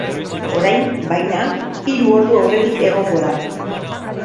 Orain, baina, hiru ordu aurretik egongo da.